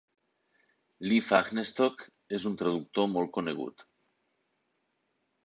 Lee Fahnestock és un traductor molt conegut.